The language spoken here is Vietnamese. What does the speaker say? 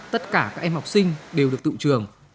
tất cả các em học sinh đều được tự trường